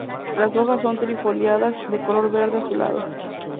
Las hojas son trifoliadas, de color verde azulado.